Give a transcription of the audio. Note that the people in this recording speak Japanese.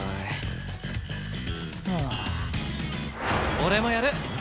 俺もやる！